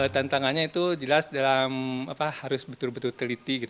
tantangannya itu jelas dalam harus betul betul teliti